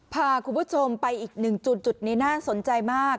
พาคุณผู้ชมไปอีกหนึ่งจุดนี้น่าสนใจมาก